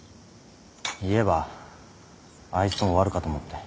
言えばあいつとも終わるかと思って。